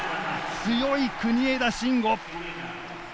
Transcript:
強い、国枝慎吾！